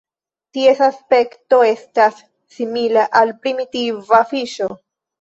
Ties aspekto estas simila al "primitiva fiŝo".